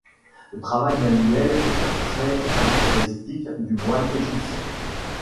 Le travail manuel est un trait caractéristique du moine égyptien.